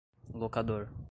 locador